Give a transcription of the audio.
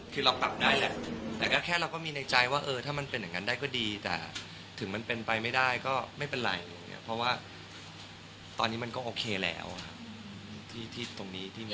คือเราปรับได้แหละแต่ก็แค่เราก็มีในใจว่าเออถ้ามันเป็นอย่างนั้นได้ก็ดีแต่ถึงมันเป็นไปไม่ได้ก็ไม่เป็นไรเพราะว่าตอนนี้มันก็โอเคแล้วครับ